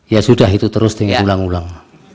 ya sudah itu terus tinggal ulang ulang